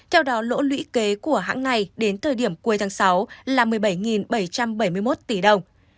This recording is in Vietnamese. theo đó lỗ lũy kế của hãng này đến thời điểm cuối tháng sáu là một mươi bảy bảy trăm bảy mươi một tỷ đồng